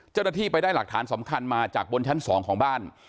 เจ้าหน้าที่ไปได้หลักฐานสำคัญมาจากบนชั้น๒ของบ้าน